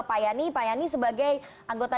pak yani pak yani sebagai anggota